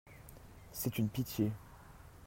C'est une pitié.